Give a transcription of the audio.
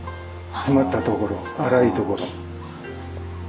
詰まったところ粗いところ。